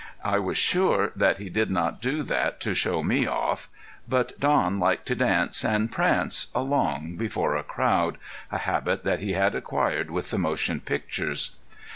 I was sure that he did not do that to show me off. But Don liked to dance and prance along before a crowd, a habit that he had acquired with the motion pictures.